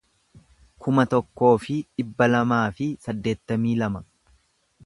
kuma tokkoo fi dhibba lamaa fi saddeettamii lama